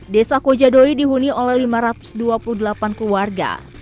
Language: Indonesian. desa kojadoi dihuni oleh lima ratus dua puluh delapan keluarga